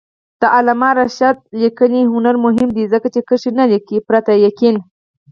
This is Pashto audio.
د علامه رشاد لیکنی هنر مهم دی ځکه چې کرښه نه لیکي پرته یقین.